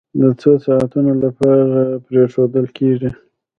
د څو ساعتونو لپاره پرېښودل کېږي.